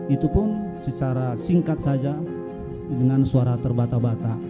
itu pun secara singkat saja dengan suara terbata bata